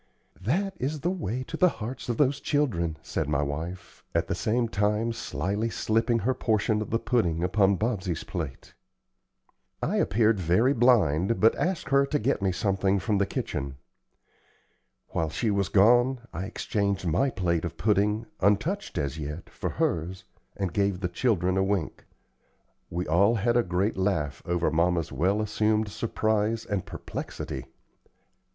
"That is the way to the hearts of those children," said my wife, at the same time slyly slipping her portion of the pudding upon Bobsey's plate. I appeared very blind, but asked her to get me something from the kitchen. While she was gone, I exchanged my plate of pudding, untouched as yet, for hers, and gave the children a wink. We all had a great laugh over mamma's well assumed surprise and perplexity.